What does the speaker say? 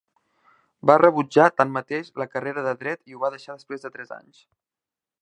Va rebutjar, tanmateix, la carrera de dret i ho va deixar després de tres anys.